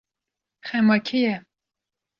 Xema kê ye?